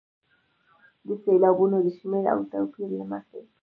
د سېلابونو د شمېر او توپیر له مخې.